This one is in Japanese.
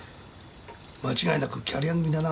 間違いなくキャリア組だな。